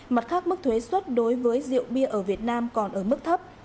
mặt khác mức thuế xuất đối với rượu bia ở việt nam còn ở mức thấp